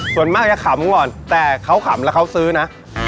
ส่วนมากจะขำก่อนแต่เขาขำแล้วเขาซื้อนะ